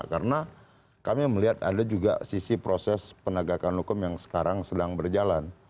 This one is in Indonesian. karena kami melihat ada juga sisi proses penegakan hukum yang sekarang sedang berjalan